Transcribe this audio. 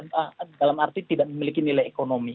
dalam arti tidak memiliki nilai ekonomi